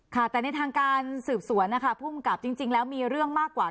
ค่ะแต่ในทางการสืบสวนนะคะภูมิกับจริงแล้วมีเรื่องมากกว่า